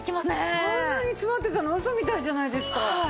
あんなに詰まってたのウソみたいじゃないですか。